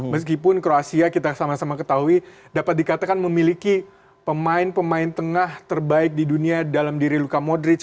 meskipun kroasia kita sama sama ketahui dapat dikatakan memiliki pemain pemain tengah terbaik di dunia dalam diri luka modric